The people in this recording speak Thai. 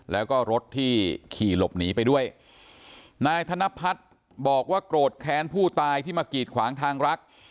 แล้วก็รถที่ขี่หลบหนีไปด้วยนายธนพัฒน์บอกว่าโกรธแค้นผู้ตายที่มากีดขวางทางรัก